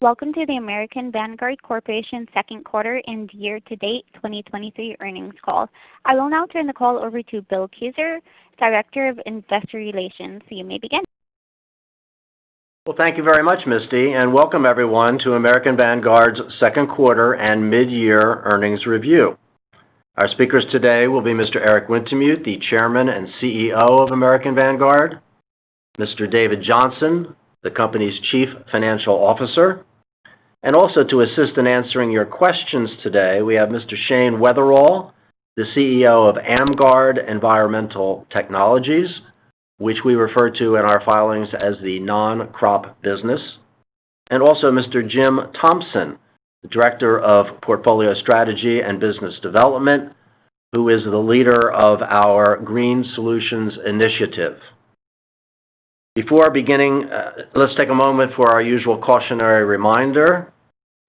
Welcome to the American Vanguard Corporation second quarter and year-to-date 2023 earnings call. I will now turn the call over to Bill Kuser, Director of Investor Relations. You may begin. Well, thank you very much, Misty, and welcome everyone to American Vanguard's second quarter and mid-year earnings review. Our speakers today will be Mr. Eric Wintemute, the Chairman and CEO of American Vanguard; Mr. David Johnson, the company's Chief Financial Officer; also to assist in answering your questions today, we have Mr. Shayne Wetherall, the CEO of AMGUARD Environmental Technologies, which we refer to in our filings as the non-crop business, and also Mr. Jim Thompson, Director of Portfolio Strategy and Business Development, who is the leader of our Green Solutions initiative. Before beginning, let's take a moment for our usual cautionary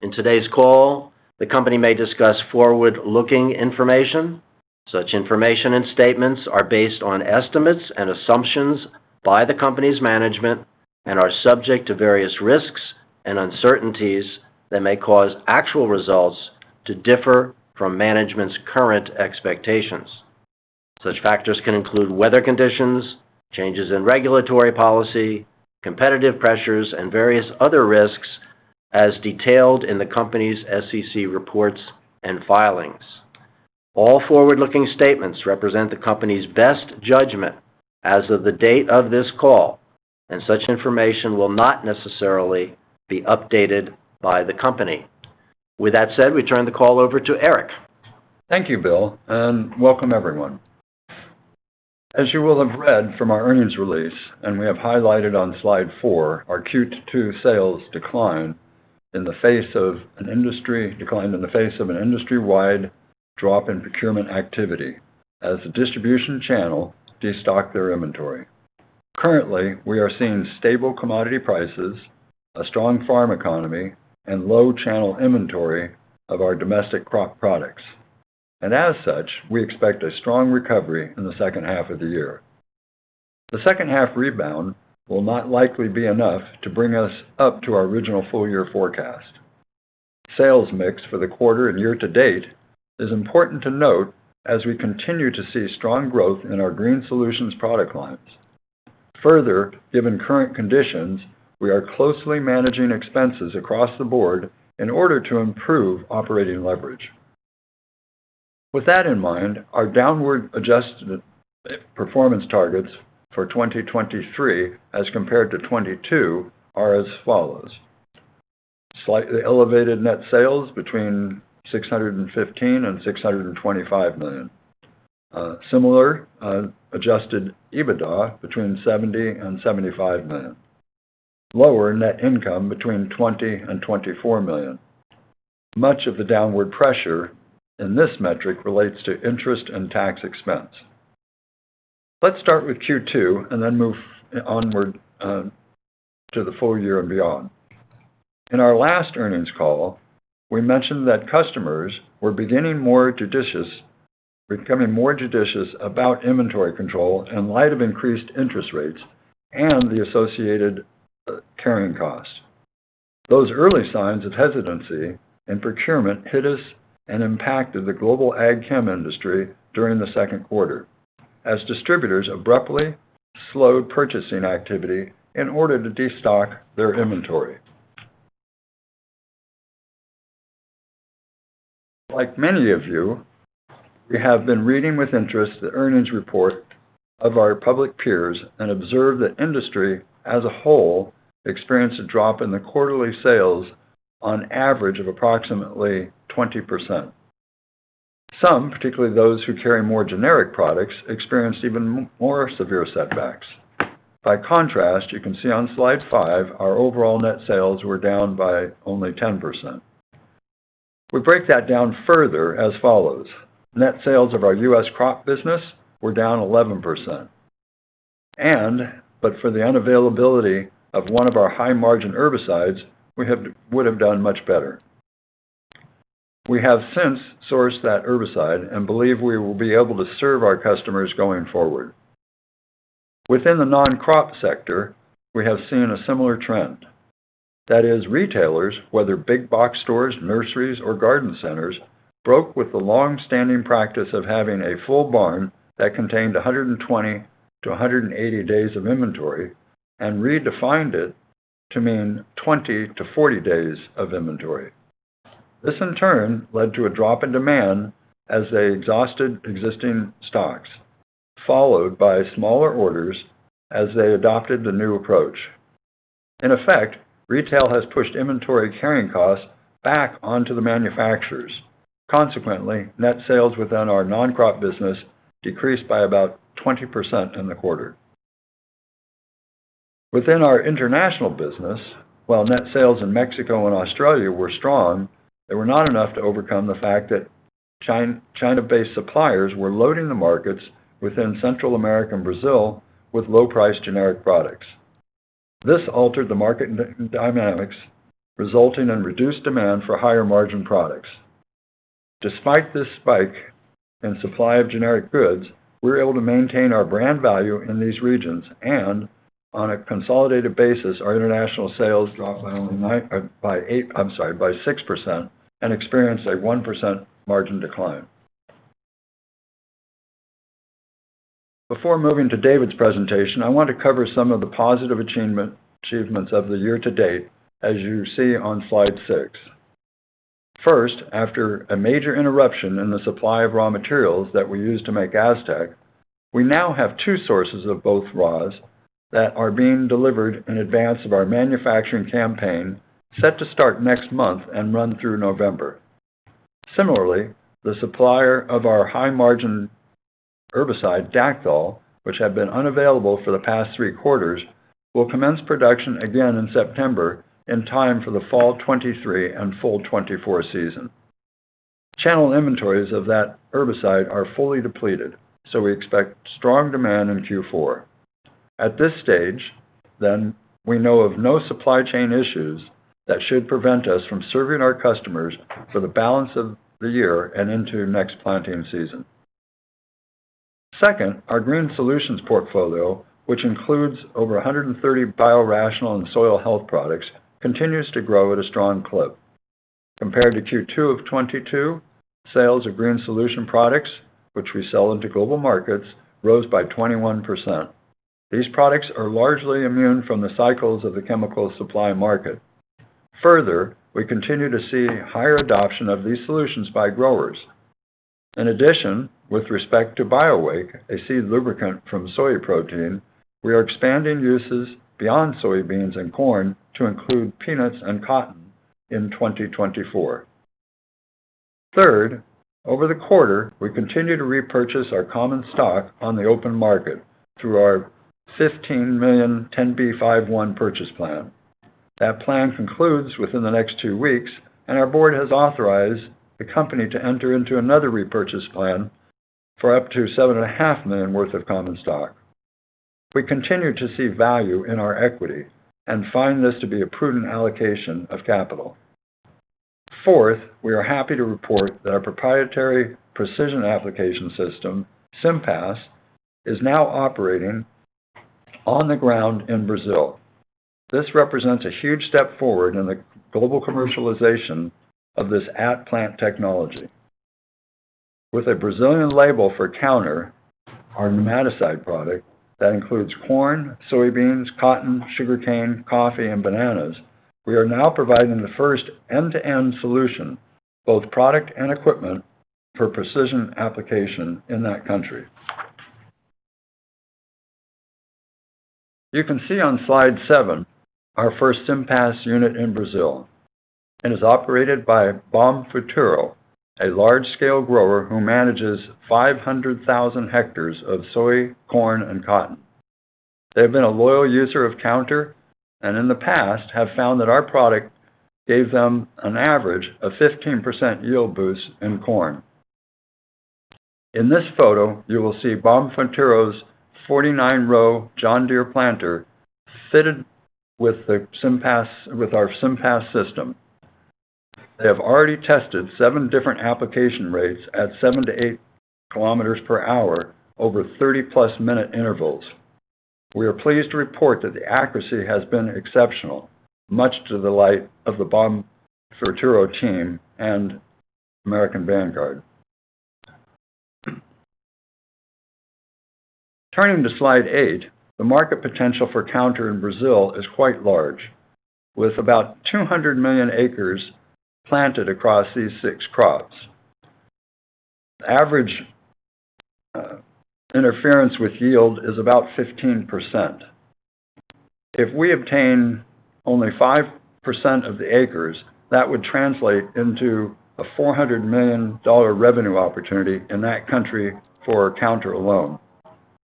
reminder. In today's call, the company may discuss forward-looking information. Such information and statements are based on estimates and assumptions by the company's management and are subject to various risks and uncertainties that may cause actual results to differ from management's current expectations. Such factors can include weather conditions, changes in regulatory policy, competitive pressures, and various other risks as detailed in the company's SEC reports and filings. All forward-looking statements represent the company's best judgment as of the date of this call, and such information will not necessarily be updated by the company. With that said, we turn the call over to Eric. Thank you, Bill. Welcome everyone. As you will have read from our earnings release, and we have highlighted on slide 4, our Q2 sales decline in the face of an industry-wide drop-in procurement activity as the distribution channel destocks their inventory. Currently, we are seeing stable commodity prices, a strong farm economy, and low channel inventory of our domestic crop products. As such, we expect a strong recovery in the second half of the year. The second half rebound will not likely be enough to bring us up to our original full-year forecast. Sales mix for the quarter and year to date is important to note as we continue to see strong growth in our Green Solutions product lines. Further, given current conditions, we are closely managing expenses across the board in order to improve operating leverage. With that in mind, our downward adjusted performance targets for 2023, as compared to 2022, are as follows: Slightly elevated net sales between $615 million and $625 million. Similar adjusted EBITDA between $70 million and $75 million. Lower net income between $20 million and $24 million. Much of the downward pressure in this metric relates to interest and tax expense. Let's start with Q2 and then move onward to the full year and beyond. In our last earnings call, we mentioned that customers were becoming more judicious about inventory control in light of increased interest rates and the associated carrying costs. Those early signs of hesitancy and procurement hit us and impacted the global ag chem industry during the second quarter, as distributors abruptly slowed purchasing activity in order to destock their inventory. Like many of you, we have been reading with interest the earnings report of our public peers and observed that industry as a whole, experienced a drop in the quarterly sales on average of approximately 20%. Some, particularly those who carry more generic products, experienced even more severe setbacks. By contrast, you can see on slide 5, our overall net sales were down by only 10%. We break that down further as follows: Net sales of our U.S. crop business were down 11%. But for the unavailability of one of our high-margin herbicides, we would have done much better. We have since sourced that herbicide and believe we will be able to serve our customers going forward. Within the non-crop sector, we have seen a similar trend. That is, retailers, whether big box stores, nurseries, or garden centers, broke with the long-standing practice of having a full barn that contained 120 to 180 days of inventory and redefined it to mean 20-40 days of inventory. This, in turn, led to a drop in demand as they exhausted existing stocks, followed by smaller orders as they adopted the new approach. In effect, retail has pushed inventory carrying costs back onto the manufacturers. Consequently, net sales within our non-crop business decreased by about 20% in the quarter. Within our international business, while net sales in Mexico and Australia were strong, they were not enough to overcome the fact that China, China-based suppliers were loading the markets within Central America and Brazil with low-priced generic products. This altered the market dynamics, resulting in reduced demand for higher-margin products.... Despite this spike in supply of generic goods, we're able to maintain our brand value in these regions. On a consolidated basis, our international sales dropped by 6% and experienced a 1% margin decline. Before moving to David's presentation, I want to cover some of the positive achievement, achievements of the year to date, as you see on slide 6. First, after a major interruption in the supply of raw materials that we use to make Aztec, we now have 2 sources of both raws that are being delivered in advance of our manufacturing campaign, set to start next month and run through November. Similarly, the supplier of our high-margin herbicide, Dacthal, which had been unavailable for the past 3 quarters, will commence production again in September, in time for the fall of 2023 and full 2024 season. Channel inventories of that herbicide are fully depleted. We expect strong demand in Q4. At this stage, we know of no supply chain issues that should prevent us from serving our customers for the balance of the year and into next planting season. Second, our Green Solutions portfolio, which includes over 130 biorational and soil health products, continues to grow at a strong clip. Compared to Q2 of 2022, sales of Green Solution products, which we sell into global markets, rose by 21%. These products are largely immune from the cycles of the chemical supply market. We continue to see higher adoption of these solutions by growers. With respect to BioWake, a seed lubricant from soy protein, we are expanding uses beyond soybeans and corn to include peanuts and cotton in 2024. Third, over the quarter, we continued to repurchase our common stock on the open market through our $15 million 10b5-1 purchase plan. That plan concludes within the next two weeks, and our board has authorized the company to enter into another repurchase plan for up to $7.5 million worth of common stock. We continue to see value in our equity and find this to be a prudent allocation of capital. Fourth, we are happy to report that our proprietary precision application system, SIMPAS, is now operating on the ground in Brazil. This represents a huge step forward in the global commercialization of this at-plant technology. With a Brazilian label for Counter, our nematicide product, that includes corn, soybeans, cotton, sugarcane, coffee and bananas, we are now providing the first end-to-end solution, both product and equipment, for precision application in that country. You can see on slide 7 our first SIMPAS unit in Brazil, and is operated by Bom Futuro, a large-scale grower who manages 500,000 hectares of soy, corn, and cotton. They've been a loyal user of Counter and in the past have found that our product gave them an average of 15% yield boost in corn. In this photo, you will see Bom Futuro's 49-row John Deere planter fitted with our SIMPAS system. They have already tested 7 different application rates at 7-8 kilometers per hour over 30+ minute intervals. We are pleased to report that the accuracy has been exceptional, much to the delight of the Bom Futuro team and American Vanguard. Turning to slide 8, the market potential for Counter in Brazil is quite large, with about 200 million acres planted across these 6 crops. Average interference with yield is about 15%. If we obtain only 5% of the acres, that would translate into a $400 million revenue opportunity in that country for Counter alone.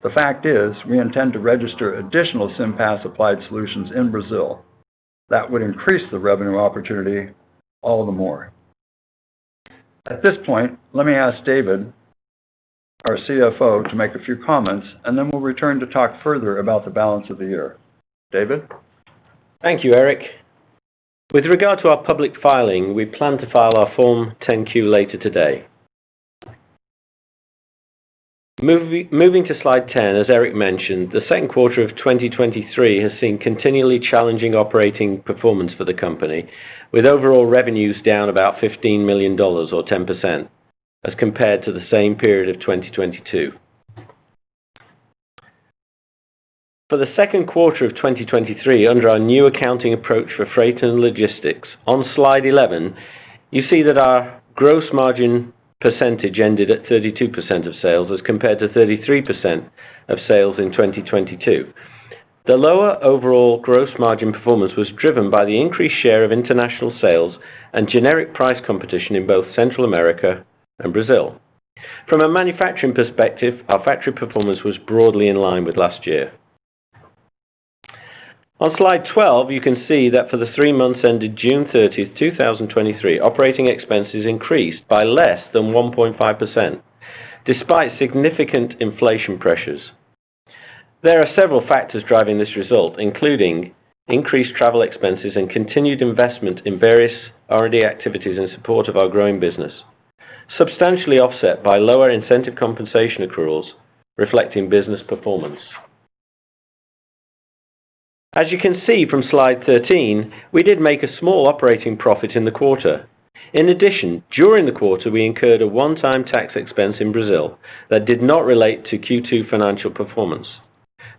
The fact is, we intend to register additional SIMPAS applied solutions in Brazil. That would increase the revenue opportunity all the more. At this point, let me ask David, our CFO, to make a few comments. Then we'll return to talk further about the balance of the year. David? Thank you, Eric. With regard to our public filing, we plan to file our Form 10-Q later today. Moving to slide 10, as Eric mentioned, the second quarter of 2023 has seen continually challenging operating performance for the company, with overall revenues down about $15 million or 10% as compared to the same period of 2022. For the second quarter of 2023, under our new accounting approach for freight and logistics, on slide 11, you see that our gross margin percentage ended at 32% of sales, as compared to 33% of sales in 2022. The lower overall gross margin performance was driven by the increased share of international sales and generic price competition in both Central America and Brazil. From a manufacturing perspective, our factory performance was broadly in line with last year. On slide 12, you can see that for the three months ended June 30th, 2023, operating expenses increased by less than 1.5%, despite significant inflation pressures. There are several factors driving this result, including increased travel expenses and continued investment in various R&D activities in support of our growing business, substantially offset by lower incentive compensation accruals reflecting business performance. As you can see from slide 13, we did make a small operating profit in the quarter. In addition, during the quarter, we incurred a one-time tax expense in Brazil that did not relate to Q2 financial performance.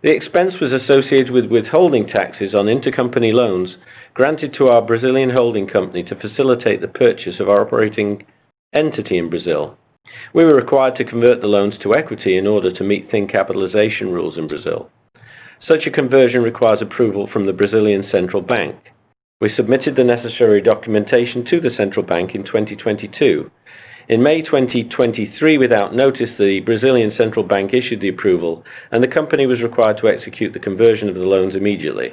The expense was associated with withholding taxes on intercompany loans granted to our Brazilian holding company to facilitate the purchase of our operating entity in Brazil. We were required to convert the loans to equity in order to meet thin capitalization rules in Brazil. Such a conversion requires approval from the Brazilian Central Bank. We submitted the necessary documentation to the Central Bank in 2022. In May 2023, without notice, the Brazilian Central Bank issued the approval, and the company was required to execute the conversion of the loans immediately.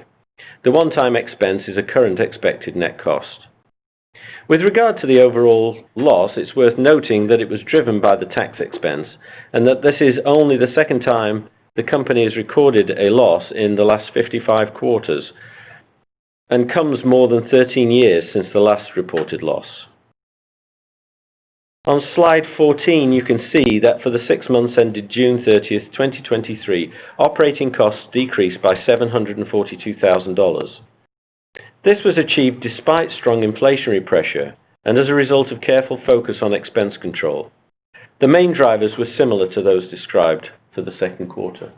The one-time expense is a current expected net cost. With regard to the overall loss, it's worth noting that it was driven by the tax expense, and that this is only the second time the company has recorded a loss in the last 55 quarters, and comes more than 13 years since the last reported loss. On Slide 14, you can see that for the six months ended June 30, 2023, operating costs decreased by $742,000. This was achieved despite strong inflationary pressure and as a result of careful focus on expense control. The main drivers were similar to those described for the second quarter.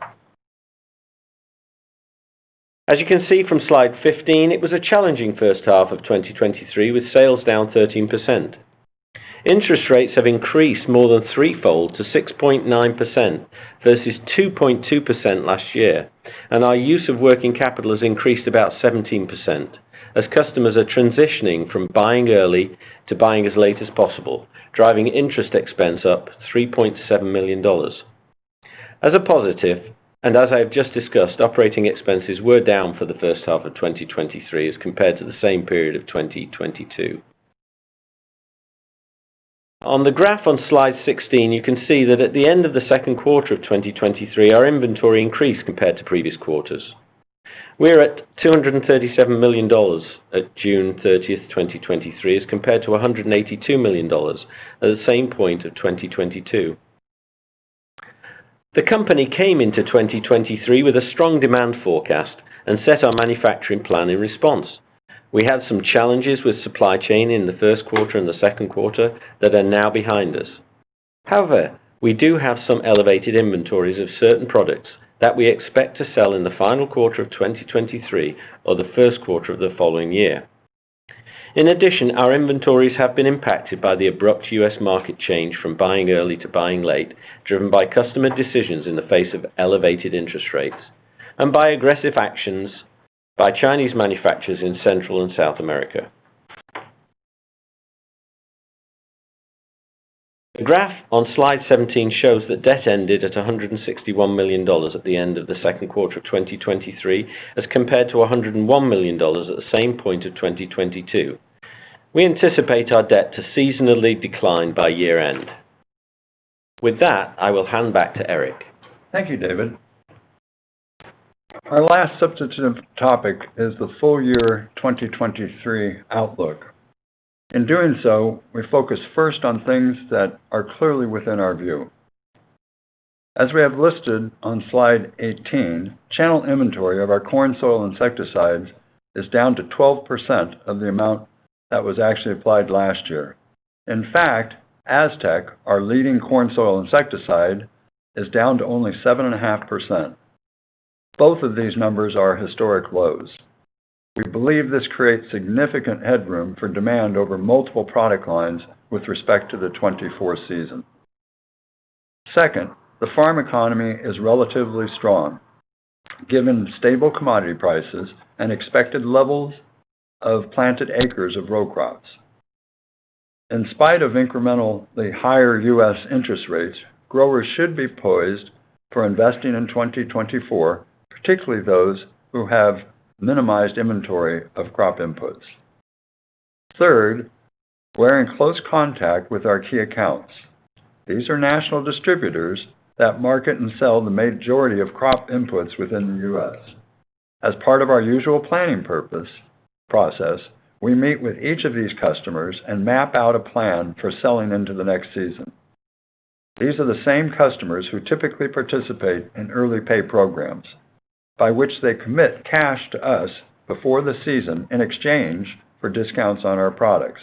As you can see from Slide 15, it was a challenging first half of 2023, with sales down 13%. Interest rates have increased more than threefold to 6.9% versus 2.2% last year, and our use of working capital has increased about 17% as customers are transitioning from buying early to buying as late as possible, driving interest expense up $3.7 million. As a positive, and as I have just discussed, operating expenses were down for the first half of 2023 as compared to the same period of 2022. On the graph on Slide 16, you can see that at the end of the second quarter of 2023, our inventory increased compared to previous quarters. We're at $237 million at June 30, 2023, as compared to $182 million at the same point of 2022. The company came into 2023 with a strong demand forecast and set our manufacturing plan in response. We had some challenges with supply chain in the first quarter and the second quarter that are now behind us. However, we do have some elevated inventories of certain products that we expect to sell in the final quarter of 2023 or the first quarter of the following year. In addition, our inventories have been impacted by the abrupt U.S. market change from buying early to buying late, driven by customer decisions in the face of elevated interest rates and by aggressive actions by Chinese manufacturers in Central and South America. The graph on Slide 17 shows that debt ended at $161 million at the end of the second quarter of 2023, as compared to $101 million at the same point of 2022. We anticipate our debt to seasonally decline by year-end. With that, I will hand back to Eric. Thank you, David. Our last substantive topic is the full year 2023 outlook. In doing so, we focus first on things that are clearly within our view. As we have listed on slide 18, channel inventory of our corn soil insecticide is down to 12% of the amount that was actually applied last year. In fact, Aztec, our leading corn soil insecticide, is down to only 7.5%. Both of these numbers are historic lows. We believe this creates significant headroom for demand over multiple product lines with respect to the 2024 season. Second, the farm economy is relatively strong, given stable commodity prices and expected levels of planted acres of row crops. In spite of incrementally higher U.S. interest rates, growers should be poised for investing in 2024, particularly those who have minimized inventory of crop inputs. Third, we're in close contact with our key accounts. These are national distributors that market and sell the majority of crop inputs within the US. As part of our usual planning process, we meet with each of these customers and map out a plan for selling into the next season. These are the same customers who typically participate in early pay programs, by which they commit cash to us before the season in exchange for discounts on our products.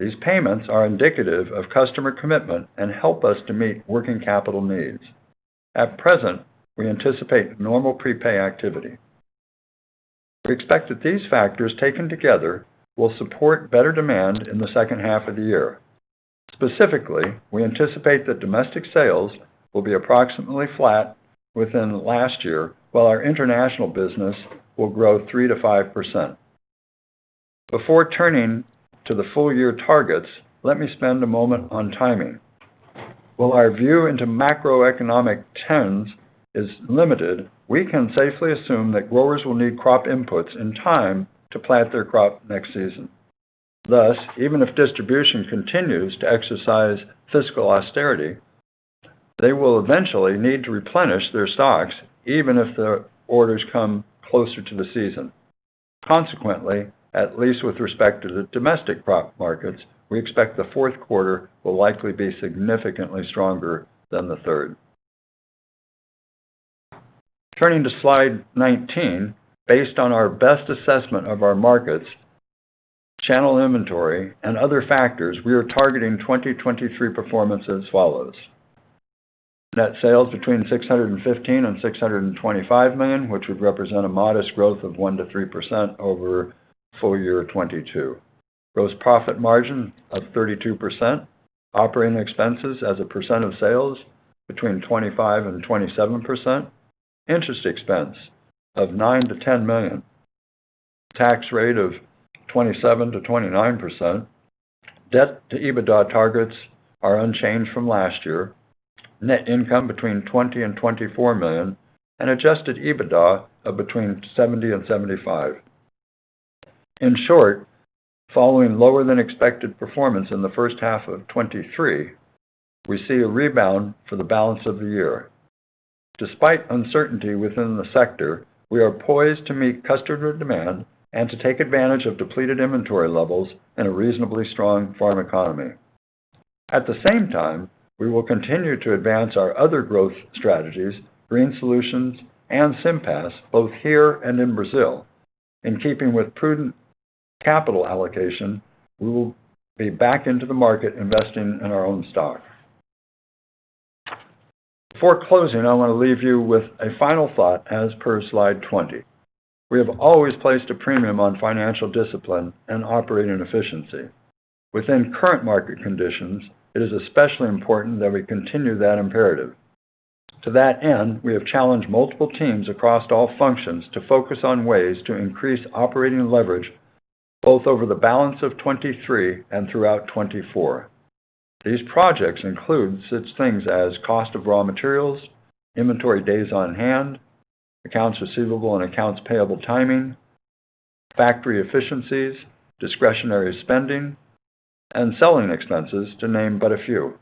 These payments are indicative of customer commitment and help us to meet working capital needs. At present, we anticipate normal prepay activity. We expect that these factors, taken together, will support better demand in the second half of the year. Specifically, we anticipate that domestic sales will be approximately flat within last year, while our international business will grow 3%-5%. Before turning to the full-year targets, let me spend a moment on timing. While our view into macroeconomic trends is limited, we can safely assume that growers will need crop inputs in time to plant their crop next season. Thus, even if distribution continues to exercise fiscal austerity, they will eventually need to replenish their stocks, even if the orders come closer to the season. Consequently, at least with respect to the domestic crop markets, we expect the fourth quarter will likely be significantly stronger than the third. Turning to Slide 19, based on our best assessment of our markets, channel inventory, and other factors, we are targeting 2023 performance as follows: Net sales between $615 million and $625 million, which would represent a modest growth of 1%-3% over full year 2022. Gross profit margin of 32%. Operating expenses as a percent of sales between 25% and 27%. Interest expense of $9 million-$10 million. Tax rate of 27%-29%. Debt to EBITDA targets are unchanged from last year. Net income between $20 million and $24 million, and adjusted EBITDA of between $70 million and $75 million. In short, following lower-than-expected performance in the first half of 2023, we see a rebound for the balance of the year. Despite uncertainty within the sector, we are poised to meet customer demand and to take advantage of depleted inventory levels and a reasonably strong farm economy. At the same time, we will continue to advance our other growth strategies, Green Solutions and SIMPAS, both here and in Brazil. In keeping with prudent capital allocation, we will be back into the market investing in our own stock. Before closing, I want to leave you with a final thought as per Slide 20. We have always placed a premium on financial discipline and operating efficiency. Within current market conditions, it is especially important that we continue that imperative. To that end, we have challenged multiple teams across all functions to focus on ways to increase operating leverage, both over the balance of 2023 and throughout 2024. These projects include such things as cost of raw materials, inventory days on hand, accounts receivable and accounts payable timing, factory efficiencies, discretionary spending, and selling expenses, to name but a few.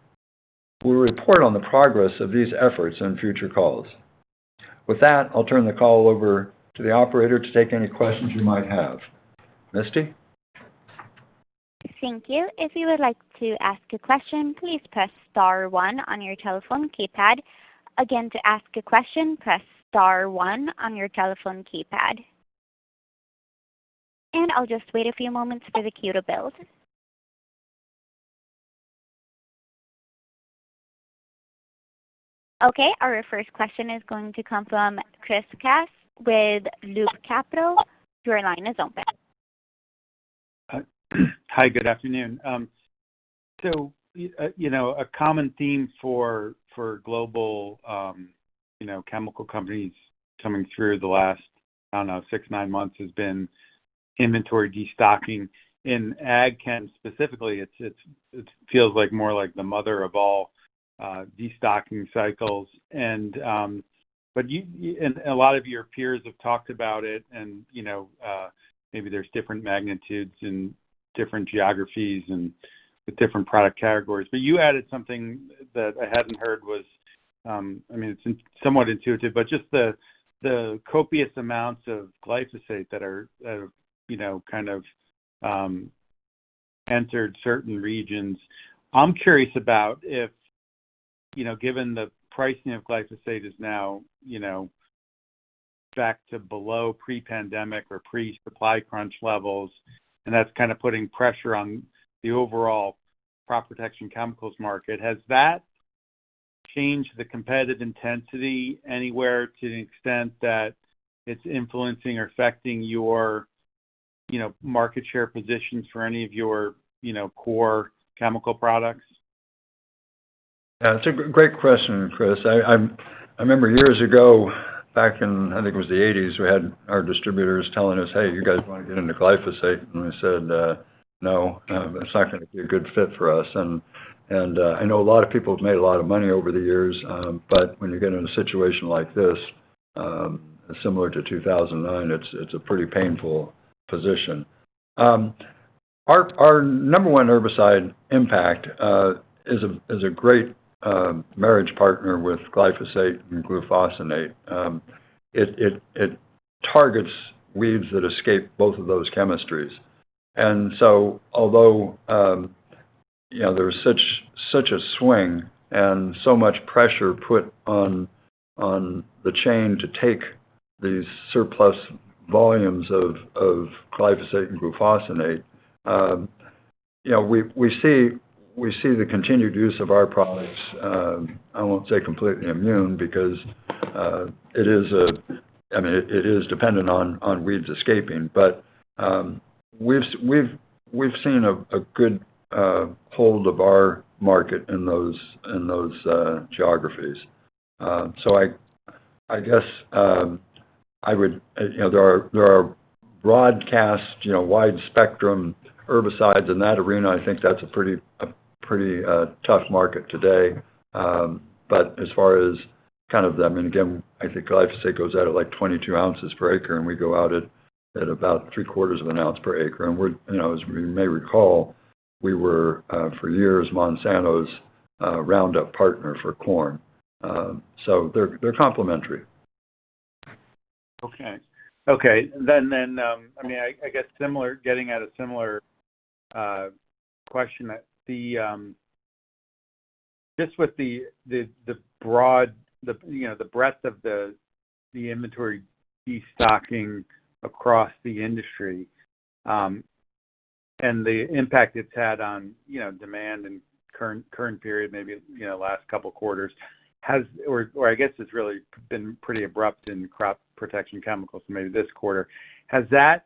We'll report on the progress of these efforts in future calls. With that, I'll turn the call over to the operator to take any questions you might have. Misty? Thank you. If you would like to ask a question, please press star one on your telephone keypad. Again, to ask a question, press star one on your telephone keypad. I'll just wait a few moments for the queue to build. Okay, our first question is going to come from Chris Kapsch with Loop Capital. Your line is open. Hi, good afternoon. You know, a common theme for, for global, you know, chemical companies coming through the last, I don't know, 6, 9 months has been inventory destocking. In ag chem specifically, it's, it's, it feels like more like the mother of all destocking cycles. A lot of your peers have talked about it and, you know, maybe there's different magnitudes and different geographies and different product categories. You added something that I hadn't heard was, I mean, it's somewhat intuitive, but just the, the copious amounts of glyphosate that are, are, you know, kind of, entered certain regions. I'm curious about if, you know, given the pricing of glyphosate is now, you know, back to below pre-pandemic or pre-supply crunch levels, and that's kind of putting pressure on the overall crop protection chemicals market, has that changed the competitive intensity anywhere to the extent that it's influencing or affecting your, you know, market share positions for any of your, you know, core chemical products? Yeah, it's a great question, Chris. I remember years ago, back in, I think it was the 1980s, we had our distributors telling us, "Hey, you guys want to get into glyphosate?" we said, "No, it's not gonna be a good fit for us." I know a lot of people have made a lot of money over the years, but when you get in a situation like this, similar to 2009, it's, it's a pretty painful position. Our, our number 1 herbicide Impact, is a, is a great marriage partner with glyphosate and glufosinate. it targets weeds that escape both of those chemistries. Although, you know, there was such, such a swing and so much pressure put on, on the chain to take these surplus volumes of glyphosate and glufosinate, you know, we, we see, we see the continued use of our products. I won't say completely immune because, I mean, it is dependent on, on weeds escaping. We've, we've, we've seen a good hold of our market in those, in those geographies. I, I guess, I would. You know, there are, there are broadcast, you know, wide-spectrum herbicides in that arena. I think that's a pretty, a pretty tough market today. As far as. kind of them, and again, I think glyphosate goes out at, like, 22 ounces per acre, and we go out at, at about three-quarters of an ounce per acre. We're, you know, as we may recall, we were, for years, Monsanto's, Roundup partner for corn. They're, they're complementary. Okay. Okay, then, then, I mean, I, I guess similar, getting at a similar question that the. Just with the, the, the broad, the, you know, the breadth of the, the inventory destocking across the industry, and the impact it's had on, you know, demand and current, current period, maybe, you know, last couple of quarters, has or, or I guess it's really been pretty abrupt in crop protection chemicals, so maybe this quarter. Has that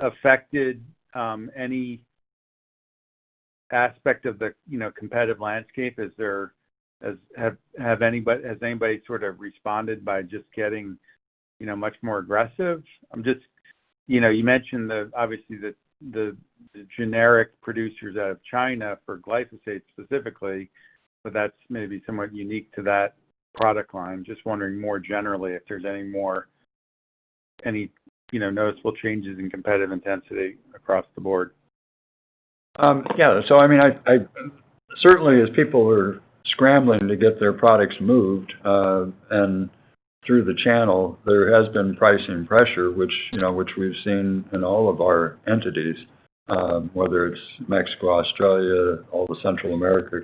affected any aspect of the, you know, competitive landscape? Is there has, have, have anybody has anybody sort of responded by just getting, you know, much more aggressive? I'm just. You know, you mentioned the, obviously, the, the, the generic producers out of China for glyphosate specifically, but that's maybe somewhat unique to that product line. Just wondering more generally if there's any more, any, you know, noticeable changes in competitive intensity across the board? Yeah. I mean, certainly, as people are scrambling to get their products moved, and through the channel, there has been pricing pressure, which, you know, which we've seen in all of our entities, whether it's Mexico, Australia, all the Central America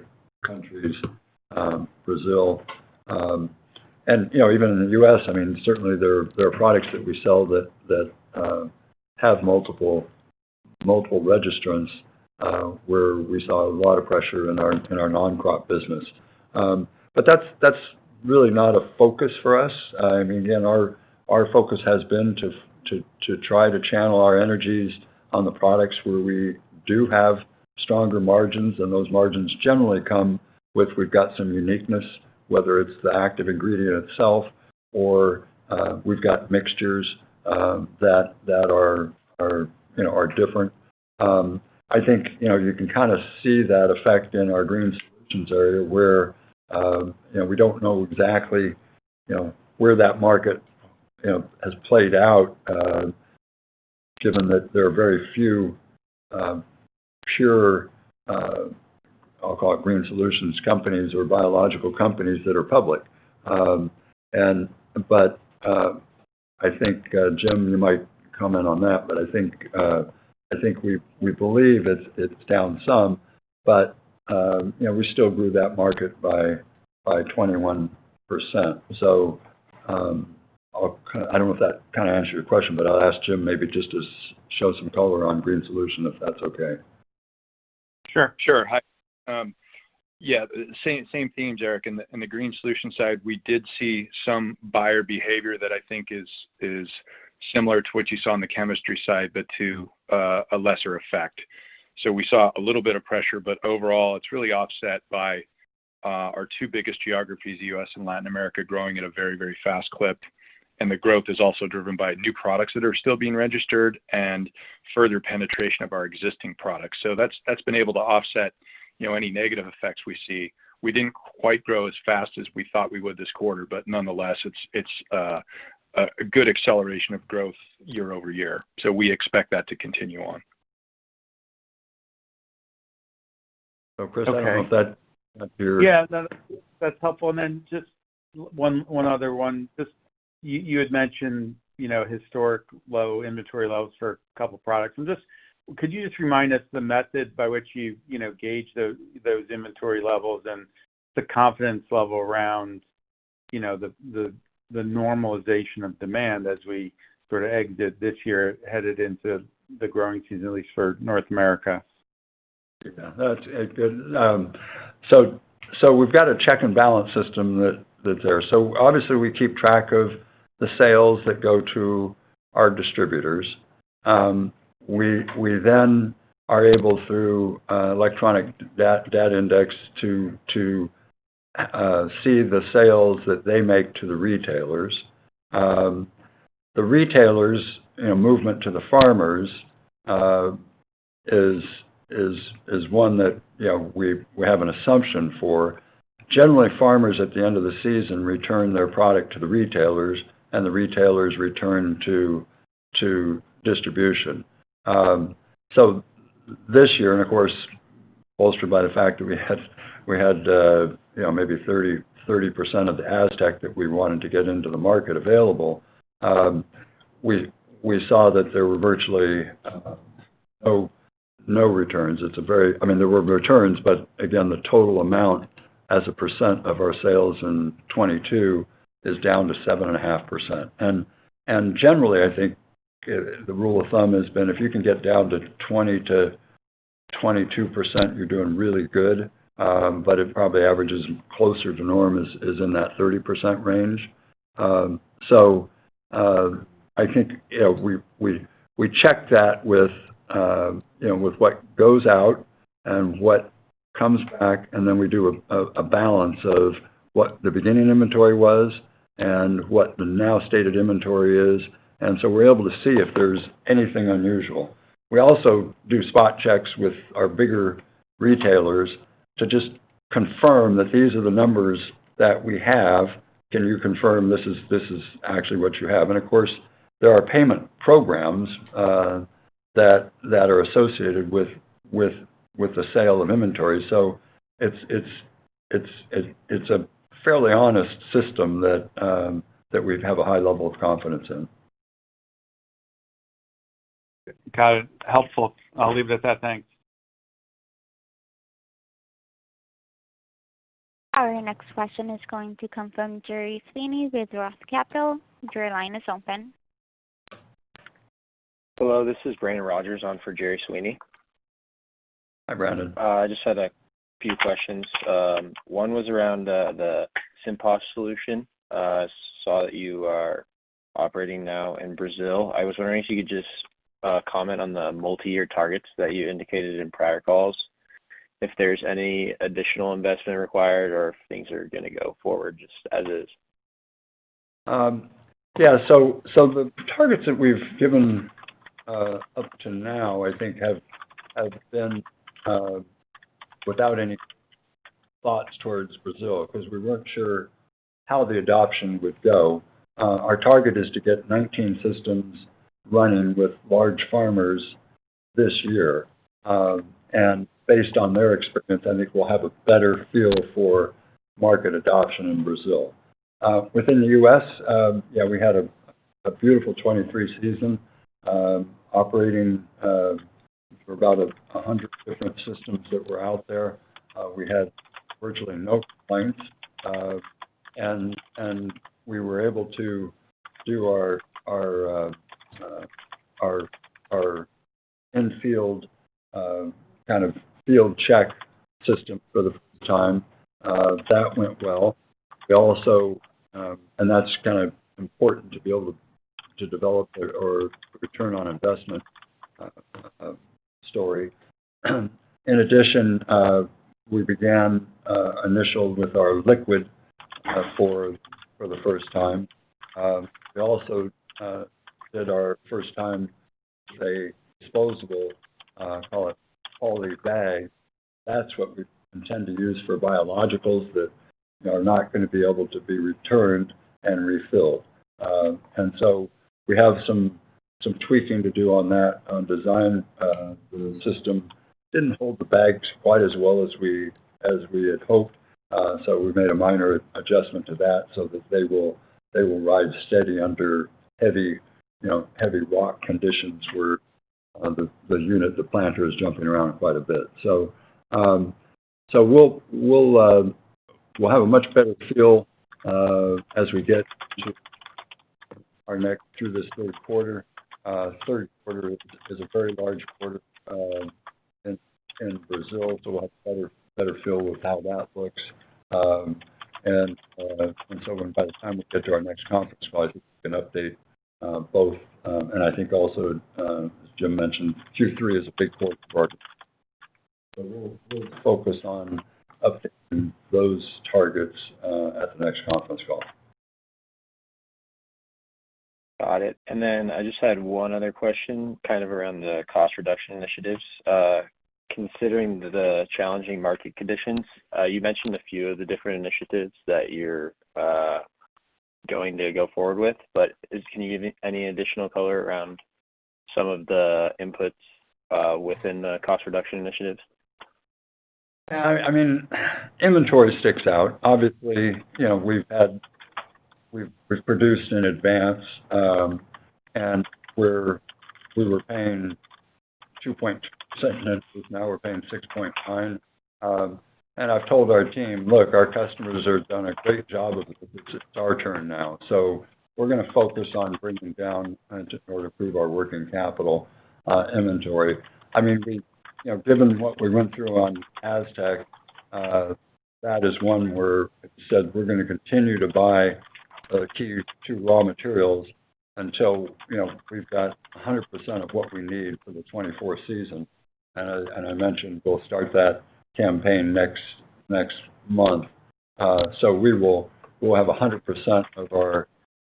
countries, Brazil. You know, even in the U.S., I mean, certainly, there, there are products that we sell that, that, have multiple, multiple registrants, where we saw a lot of pressure in our, in our non-crop business. That's, that's really not a focus for us. I mean, again, our, our focus has been to, to, to try to channel our energies on the products where we do have stronger margins, and those margins generally come with we've got some uniqueness, whether it's the active ingredient itself or, we've got mixtures that are different. I think, you know, you can kind of see that effect in our Green Solutions area, where, you know, we don't know exactly, you know, where that market, you know, has played out, given that there are very few pure, I'll call it Green Solutions companies or biological companies that are public. I think, Jim, you might comment on that, but I think, I think we, we believe it's, it's down some, but, you know, we still grew that market by, by 21%. I don't know if that kind of answered your question, but I'll ask Jim maybe just to show some color on Green Solutions, if that's okay. Sure, sure. Yeah, same, same theme, Eric. In the Green Solutions side, we did see some buyer behavior that I think is similar to what you saw on the chemistry side, but to a lesser effect. We saw a little bit of pressure, but overall, it's really offset by our two biggest geographies, U.S. and Latin America, growing at a very, very fast clip. The growth is also driven by new products that are still being registered and further penetration of our existing products. That's, that's been able to offset, you know, any negative effects we see. We didn't quite grow as fast as we thought we would this quarter, but nonetheless, it's a good acceleration of growth year-over-year. We expect that to continue on. Chris, I don't know if that's your... Yeah, that, that's helpful. Then just one, one other one. You, you had mentioned, you know, historic low inventory levels for a couple of products. Could you just remind us the method by which you, you know, gauge those inventory levels and the confidence level around the normalization of demand as we sort of exit this year, headed into the growing season, at least for North America? Yeah, that's a good. So, we've got a check and balance system that, that's there. Obviously, we keep track of the sales that go to our distributors. We then are able, through electronic data index, to see the sales that they make to the retailers. The retailers, you know, movement to the farmers, is one that, you know, we have an assumption for. Generally, farmers at the end of the season return their product to the retailers, and the retailers return to distribution. This year, and of course, bolstered by the fact that we had, we had, you know, maybe 30% of the Aztec that we wanted to get into the market available, we saw that there were virtually no, no returns. It's a very-- I mean, there were returns, but again, the total amount as a percent of our sales in 22 is down to 7.5%. Generally, I think, the rule of thumb has been, if you can get down to 20%-22%, you're doing really good. It probably averages closer to norm is, is in that 30% range. I think, we check that with what goes out and what comes back, and then we do a balance of what the beginning inventory was and what the now stated inventory is, and so we're able to see if there's anything unusual. We also do spot checks with our bigger retailers to just confirm that these are the numbers that we have. Can you confirm this is, this is actually what you have? Of course, there are payment programs, that, that are associated with, with, with the sale of inventory. It's a fairly honest system that, we'd have a high level of confidence in. Got it. Helpful. I'll leave it at that. Thanks. Our next question is going to come from Gerry Sweeney with Roth Capital Partners. Your line is open. Hello, this is Brandon Rogers on for Gerry Sweeney. Hi, Brandon. I just had a few questions. One was around the SIMPAS solution. Saw that you are operating now in Brazil. I was wondering if you could just comment on the multiyear targets that you indicated in prior calls, if there's any additional investment required or if things are going to go forward just as is? Yeah, so, the targets that we've given up to now, I think have been without any thoughts towards Brazil, because we weren't sure how the adoption would go. Our target is to get 19 systems running with large farmers this year. Based on their experience, I think we'll have a better feel for market adoption in Brazil. Within the US, yeah, we had a beautiful 23 season, operating for about 100 different systems that were out there. We had virtually no complaints, and we were able to do our in-field kind of field check system for the time. That went well. We also, that's kind of important to be able to develop our ROI story. In addition, we began initial with our liquid for, for the first time. We also did our first time disposable, call it poly bag. That's what we intend to use for biologicals that are not going to be able to be returned and refilled. We have some, some tweaking to do on that, on design. The system didn't hold the bags quite as well as we, as we had hoped. We made a minor adjustment to that so, that they will ride steady under heavy, you know, heavy rock conditions, where the, the unit, the planter, is jumping around quite a bit. We'll, have a much better feel as we get to our next through this third quarter. Third quarter is a very large quarter in Brazil, so we'll have a better, better feel with how that looks. By the time we get to our next conference call, I think we can update both. I think also, as Jim mentioned, Q3 is a big quarter for us. We'll focus on updating those targets at the next conference call. Got it. Then I just had one other question, kind of around the cost reduction initiatives. Considering the challenging market conditions, you mentioned a few of the different initiatives that you're going to go forward with, can you give me any additional color around some of the inputs within the cost reduction initiatives? Yeah, I, I mean, inventory sticks out. Obviously, you know, we've had, we've, we've produced in advance, and we're, we were paying 2.7%, and now we're paying 6.9%. I've told our team, "Look, our customers have done a great job, it's our turn now." We're going to focus on bringing down, in order to improve our working capital, inventory. Given what we went through on Aztec, that is one where I said we're going to continue to buy, key, two raw materials until, you know, we've got 100% of what we need for the 2024 season. I, and I mentioned we'll start that campaign next, next month. We will, we'll have 100% of our,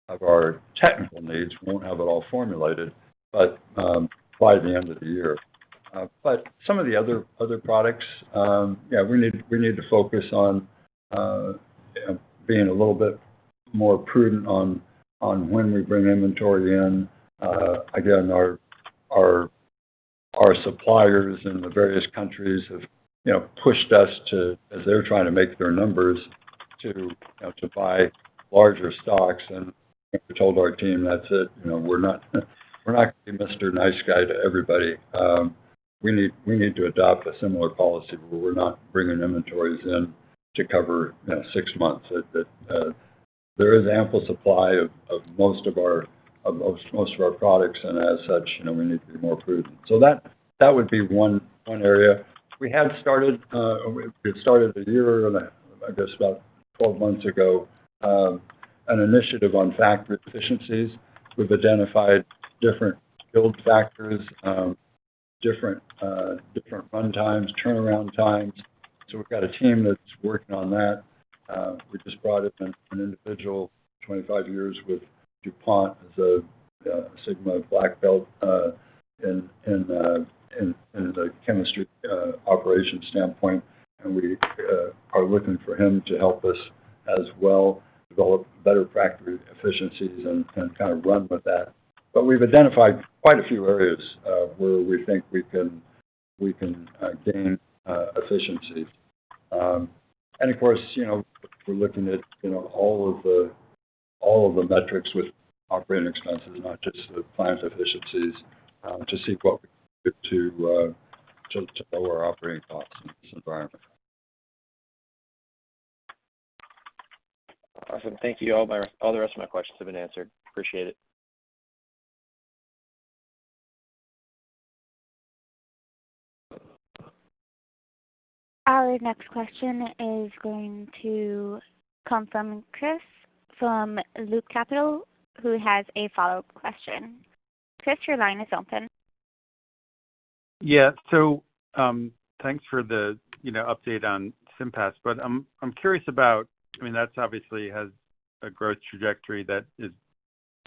of our technical needs. We won't have it all formulated, but by the end of the year. Some of the other, other products, yeah, we need, we need to focus on being a little bit more prudent on when we bring inventory in. Again, our suppliers in the various countries have, you know, pushed us to, as they're trying to make their numbers, to buy larger stocks. We told our team, "That's it." You know, we're not, we're not going to be Mr. Nice Guy to everybody. We need, we need to adopt a similar policy where we're not bringing inventories in to cover 6 months. There is ample supply most of our products, and as such, you know, we need to be more prudent. That, that would be one, one area. We have started, we started a year ago, I guess about 12 months ago, an initiative on factor efficiencies. We've identified different build factors, different, different runtimes, turnaround times. We've got a team that's working on that. We just brought up an, an individual, 25 years with DuPont as a Sigma Black Belt, in the chemistry, operations standpoint. We are looking for him to help us as well develop better factory efficiencies and, and kind of run with that. We've identified quite a few areas, where we think we can, we can, gain efficiency. Of course, you know, we're looking at, you know, all of the, all of the metrics with operating expenses, not just the plant efficiencies, to see what we can do to lower our operating costs in this environment. Awesome. Thank you. All my, all the rest of my questions have been answered. Appreciate it. Our next question is going to come from Chris from Loop Capital, who has a follow-up question. Chris, your line is open. Thanks for the, you know, update on SIMPAS. I'm, I'm curious about. I mean, that's obviously has a growth trajectory that is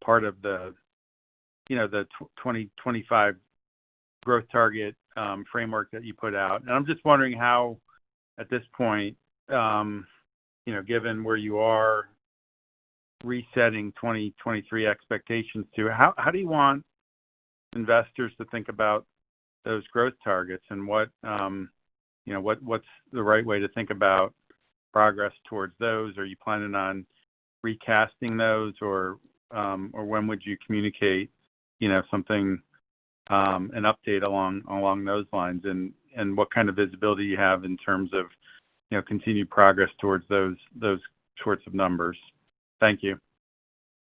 part of the, you know, the 2025 growth target, framework that you put out. I'm just wondering how, at this point, you know, given where you are resetting 2023 expectations to, how, how do you want investors to think about those growth targets? What, you know, what, what's the right way to think about progress towards those? Are you planning on recasting those, or, or when would you communicate, you know, something, an update along, along those lines? What kind of visibility you have in terms of, you know, continued progress towards those, those sorts of numbers? Thank you.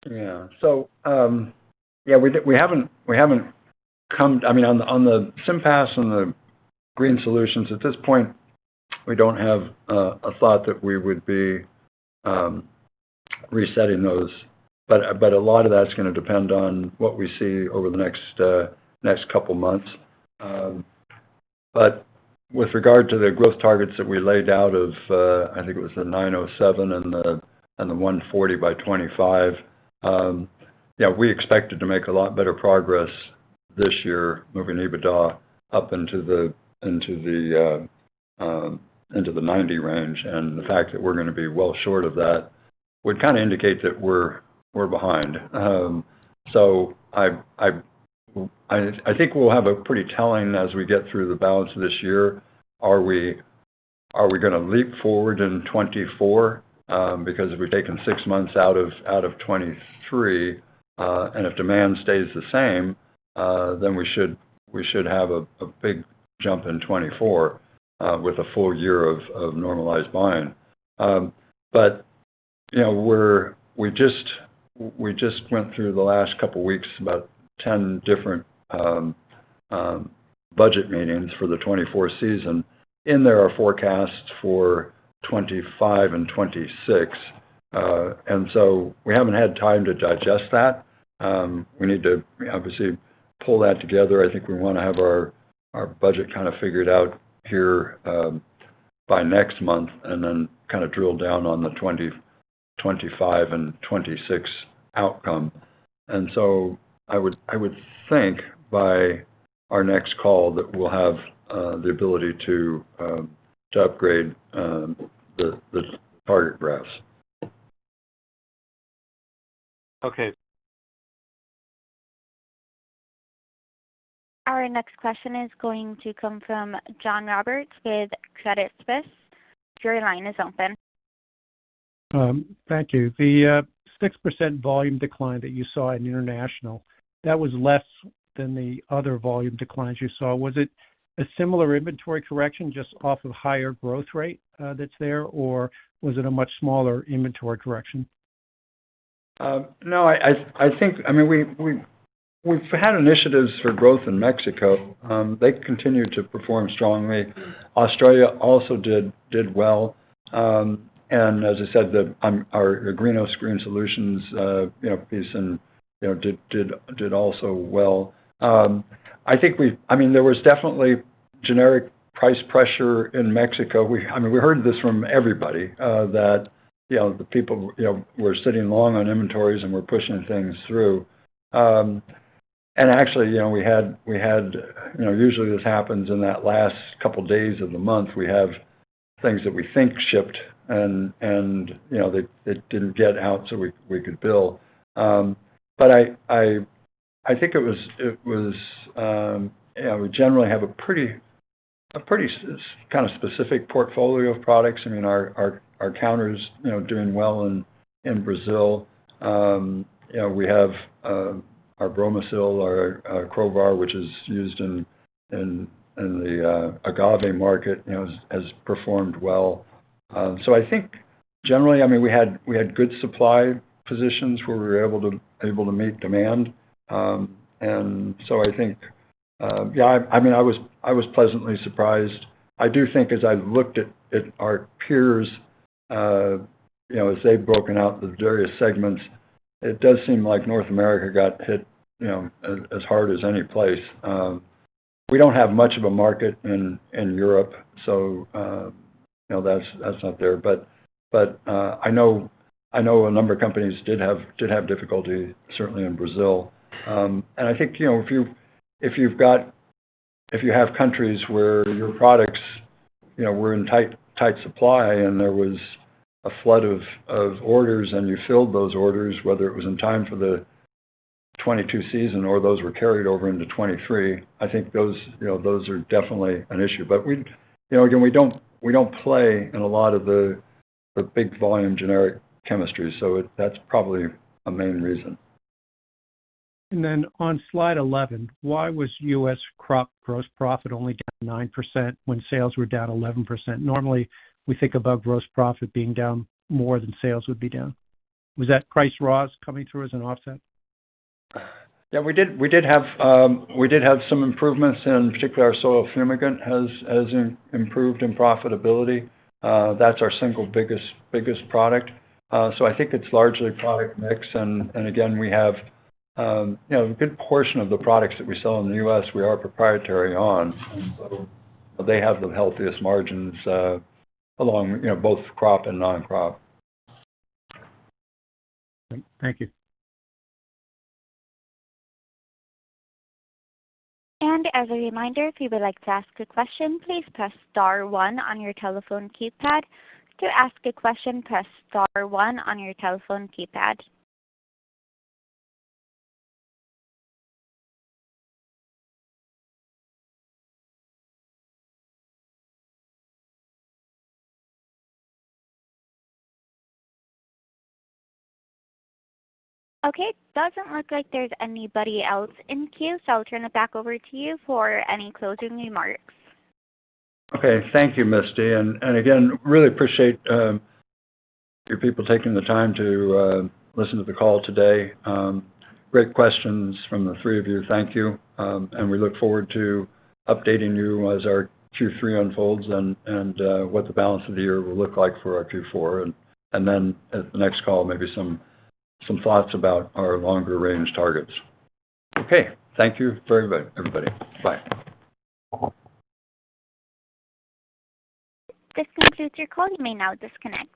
Yeah, we haven't, we haven't come... I mean, on the SIMPAS and the Green Solutions, at this point, we don't have a thought that we would be resetting those. But a lot of that's going to depend on what we see over the next couple months. But with regard to the growth targets that we laid out of, I think it was the $907 million and the $140 million by 2025, yeah, we expected to make a lot better progress this year, moving EBITDA up into the into the $90 million range. The fact that we're going to be well short of that would kinda indicate that we're, we're behind. I think we'll have a pretty telling as we get through the balance of this year. Are we, are we going to leap forward in 2024? Because if we've taken 6 months out of, out of 2023, and if demand stays the same, then we should, we should have a, a big jump in 2024, with a full year of, of normalized volume. You know, we're we just, we just went through the last couple of weeks, about 10 different budget meetings for the 2024 season. In there are forecasts for 2025 and 2026. We haven't had time to digest that. We need to obviously pull that together. I think we want to have our, our budget kind of figured out here, by next month, and then kind of drill down on the 2025 and 2026 outcome. So, I would think by our next call that we'll have the ability to, to upgrade, the, the target graphs. Okay. Our next question is going to come from John Roberts with Credit Suisse. Your line is open. Thank you. The 6% volume decline that you saw in international, that was less than the other volume declines you saw. Was it a similar inventory correction just off of higher growth rate that's there, or was it a much smaller inventory correction? No, I think. I mean, we've had initiatives for growth in Mexico. They continue to perform strongly. Australia also did well. As I said, the, our Agrinos Green Solutions, you know, piece in, you know, did also well. I think. I mean, there was definitely generic price pressure in Mexico. We, I mean, we heard this from everybody, that, you know, the people, you know, were sitting long on inventories and were pushing things through. Actually, you know, we had, you know, usually this happens in that last couple of days of the month. We have things that we think shipped and, you know, they, it didn't get out so we could bill. I think it was, it was, yeah, we generally have a pretty, a pretty kind of specific portfolio of products. I mean our Counter is, you know, doing well in, in Brazil. You know, we have, our bromacil, our Krovar, which is used in, in, in the agave market, you know, has, has performed well. I think generally, I mean, we had, we had good supply positions where we were able to, able to meet demand. I think, yeah, I, I mean, I was, I was pleasantly surprised. I do think as I've looked at, at our peers, you know, as they've broken out the various segments. It does seem like North America got hit, you know, as, as hard as any place. We don't have much of a market in, in Europe, so, you know, that's, that's not there. I know, I know a number of companies did have, did have difficulty, certainly in Brazil. I think, you know, if you, if you've got- if you have countries where your products, you know, were in tight, tight supply, and there was a flood of, of orders, and you filled those orders, whether it was in time for the 2022 season or those were carried over into 2023, I think those, you know, those are definitely an issue. We, you know, again, we don't, we don't play in a lot of the, the big volume generic chemistry, so it-- that's probably a main reason. Then on slide 11, why was US crop gross profit only down 9% when sales were down 11%? Normally, we think about gross profit being down more than sales would be down. Was that price raws coming through as an offset? Yeah, we did, we did have some improvements. In particular, our soil fumigant has improved in profitability. That's our single biggest, biggest product. I think it's largely product mix. Again, we have, you know, a good portion of the products that we sell in the US, we are proprietary on. They have the healthiest margins, along, you know, both crop and non-crop. Thank you. As a reminder, if you would like to ask a question, please press star one on your telephone keypad. To ask a question, press star one on your telephone keypad. Okay, it doesn't look like there's anybody else in queue, so I'll turn it back over to you for any closing remarks. Okay. Thank you, Misty. Again, really appreciate you people taking the time to listen to the call today. Great questions from the 3 of you. Thank you. We look forward to updating you as our Q3 unfolds and what the balance of the year will look like for our Q4. Then at the next call, maybe some thoughts about our longer-range targets. Okay. Thank you very much, everybody. Bye. This concludes your call. You may now disconnect.